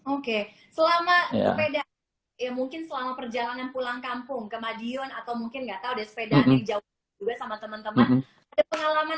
oke selama sepeda mungkin selama perjalanan pulang kampung ke madiun atau mungkin nggak tahu dari sepeda yang jauh juga sama teman teman